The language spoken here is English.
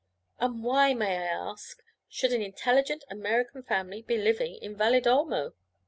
'And why, may I ask, should an intelligent American family be living in Valedolmo?'